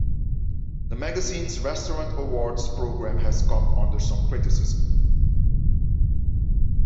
The magazine's Restaurant Awards program has come under some criticism.